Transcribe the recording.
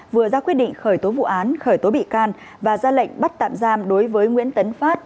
vừa ra quyết định khởi tố vụ án khởi tố bị can và ra lệnh bắt tạm giam đối với nguyễn tấn phát